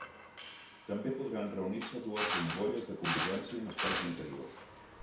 També podran reunir-se dues bombolles de convivència en espais interiors.